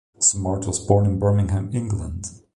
Smart was born in Birmingham, England.